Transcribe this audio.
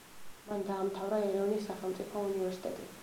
მან დაამთავრა ერევნის სახელმწიფო უნივერსიტეტი.